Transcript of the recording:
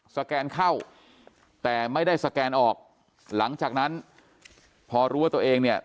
แกนเข้าแต่ไม่ได้สแกนออกหลังจากนั้นพอรู้ว่าตัวเองเนี่ย